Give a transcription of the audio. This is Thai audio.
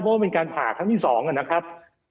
เพราะว่าเป็นการผ่าครั้งที่๒นะครับ